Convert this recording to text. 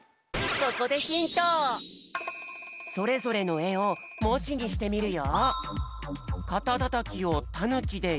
ここでそれぞれのえをもじにしてみるよ。